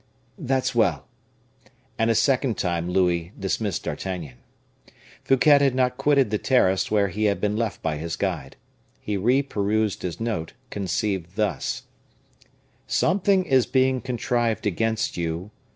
"That's well!" And a second time Louis dismissed D'Artagnan. Fouquet had not quitted the terrace where he had been left by his guide. He reperused his note, conceived thus: "Something is being contrived against you.